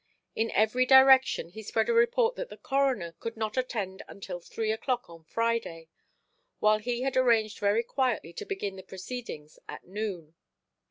In every direction he spread a report that the coroner could not attend until three oʼclock on Friday, while he had arranged very quietly to begin the proceedings at noon.